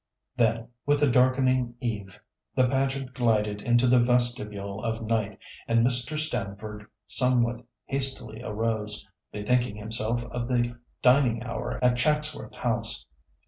Then, with the darkening eve, the pageant glided into the vestibule of night and Mr. Stamford somewhat hastily arose, bethinking himself of the dining hour at Chatsworth House.